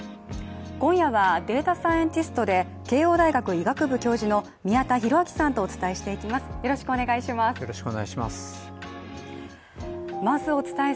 今夜は、データサイエンティストで慶応大学医学部教授の宮田裕章さんとお伝えしていきます。